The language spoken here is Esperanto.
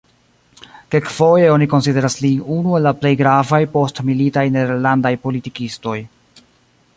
Kelkfoje oni konsideras lin unu el la plej gravaj postmilitaj nederlandaj politikistoj.